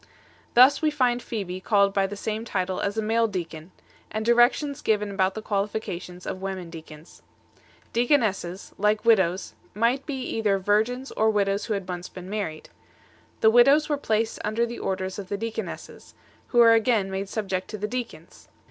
Thus we find Phoebe called by the same title as a male deacon 8 , and directions given about the qualifications of women deacons 9 . Deaconesses, like widows, might be either vir gins, or widows who had been once married 10 . The widows were placed under the orders of the deaconesses 11 , who are again made subject to the deacons 12